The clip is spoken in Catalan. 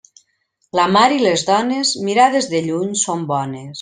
La mar i les dones mirades de lluny són bones.